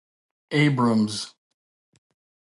Abrams.